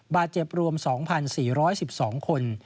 บาดเจ็บรวม๒๔๑๒คน